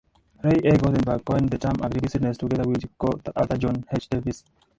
Ray A. Goldberg coined the term agribusiness together with coauthor John H. Davis.